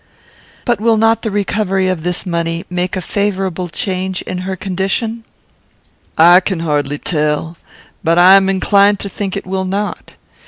"But will not the recovery of this money make a favourable change in her condition?" "I can hardly tell; but I am inclined to think it will not.